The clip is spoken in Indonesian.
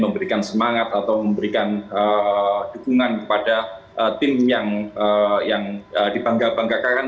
memberikan semangat atau memberikan dukungan kepada tim yang dibangga banggakan